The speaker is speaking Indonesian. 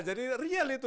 jadi real itu